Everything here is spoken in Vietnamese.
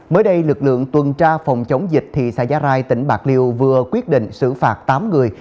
mới đây lực lượng tuần tra phòng chống dịch thị xã giá rai tỉnh bạc liêu vừa quyết định xử phạt tám người